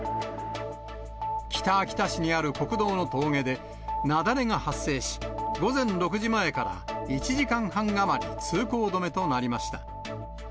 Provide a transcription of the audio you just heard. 北秋田市にある国道の峠で雪崩が発生し、午前６時前から１時間半余り通行止めとなりました。